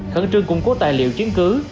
khẩn trương cung cố tài liệu chiến cứu